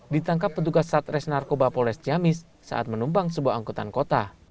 ditangkap petugas satres narkoba polres ciamis saat menumpang sebuah angkutan kota